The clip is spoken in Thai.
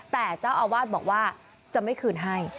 แต่เจ้าอาวาสบอกว่าจะไม่คืนให้